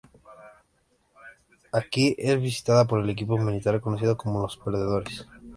Aquí, es visitada por el equipo militar conocido como Los Perdedores.